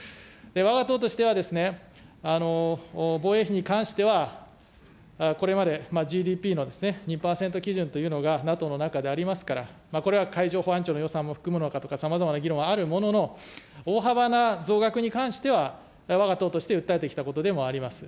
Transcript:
わが党としては、防衛費に関しては、これまでＧＤＰの２％基準というのがＮＡＴＯの中でありますから、これは海上保安庁の予算も含むのかとかさまざまな議論はあるものの、大幅な増額に関しては、わが党として訴えてきたことでもあります。